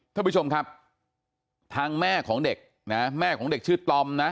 ท่านผู้ชมครับทางแม่ของเด็กนะแม่ของเด็กชื่อตอมนะ